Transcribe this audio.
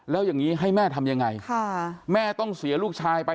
แล้วอย่างนี้ให้แม่ทำยังไงแม่ต้องเสียลูกชายไป